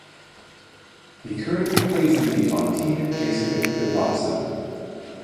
He currently plays lead on Team Jason Gunnlaugson.